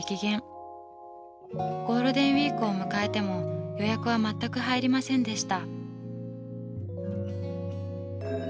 ゴールデンウイークを迎えても予約は全く入りませんでした。